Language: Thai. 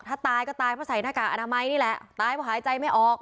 ถ้าตายก็ตายเพราะใส่หน้ากากอนามัยนี่แหละตายเพราะหายใจไม่ออก